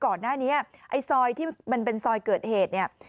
ก่อนหน้านี้ซอยที่จะเป็นซอยเกิดเหตุ